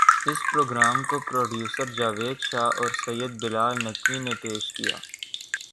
اس programme کو producer Javed Shah اور Syed Bilal Naqvi نے پیش کیا